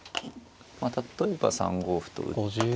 例えば３五歩と打って。